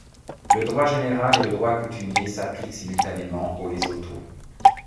Le droit général et le droit coutumier s'appliquent simultanément au Lesotho.